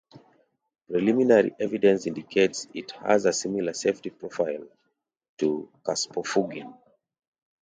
Preliminary evidence indicates it has a similar safety profile to caspofungin.